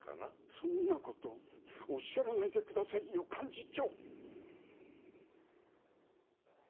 そんなことおっしゃらないでくださいよ幹事長。